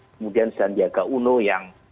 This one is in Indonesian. kemudian zandiaga uno yang